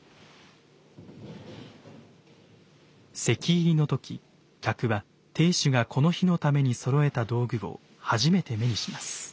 席入りの時客は亭主がこの日のためにそろえた道具を初めて目にします。